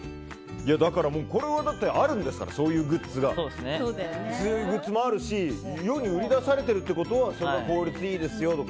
だから、これはだってあるんですからそういうグッズもあるし世に売り出されてるってことはそれが効率いいですよって。